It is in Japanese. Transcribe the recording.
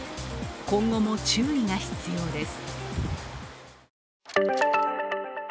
今後も注意が必要です。